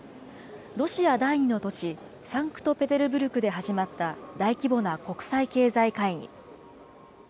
ロシア第２の都市、サンクトペテルブルクで始まった、大規模な国際経済会議。